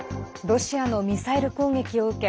ロシアのミサイル攻撃を受け